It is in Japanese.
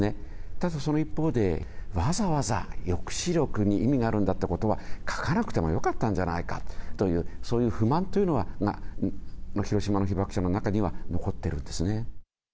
ただ、その一方で、わざわざ抑止力に意味があるんだってことは、書かなくてもよかったんじゃないかという、そういう不満というのが広島の被爆者の中には残ってるんですね。